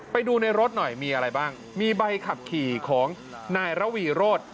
ไปดูในรถหน่อยมีอะไรบ้างมีใบขับขี่ของนายระวีโรธ